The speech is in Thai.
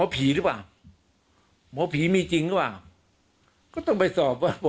ผีหรือเปล่าหมอผีมีจริงหรือเปล่าก็ต้องไปสอบว่าหมอ